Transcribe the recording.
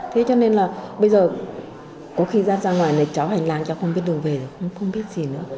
thế cho nên là bây giờ có khi rát ra ngoài này cháu hành lang cháu không biết đường về cũng không biết gì nữa